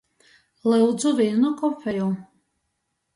Lyudzu, vīnu kofeju!